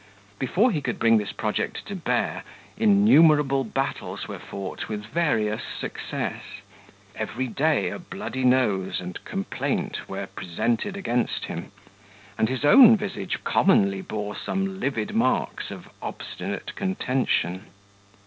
Before he could bring his project to bear, innumerable battles were fought with various success; every day a bloody nose and complaint were presented against him, and his own visage commonly bore some livid marks of obstinate contention.